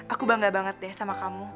aku bangga banget deh sama kamu